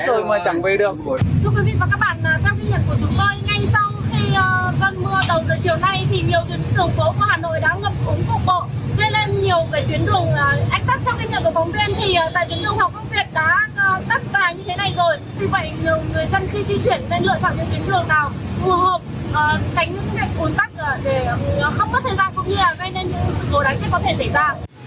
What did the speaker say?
cũng như là gây nên những lối đánh kết có thể xảy ra